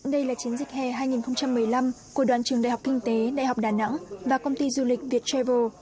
đây là chiến dịch hè hai nghìn một mươi năm của đoàn trường đại học kinh tế đại học đà nẵng và công ty du lịch viettravel